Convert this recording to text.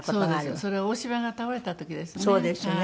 それは大島が倒れた時ですね。